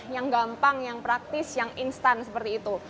yang gampang yang praktis yang instan seperti itu